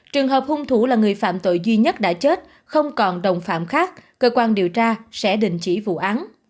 trường hợp hung thủ là người phạm tội duy nhất đã chết không còn đồng phạm khác cơ quan điều tra sẽ đình chỉ vụ án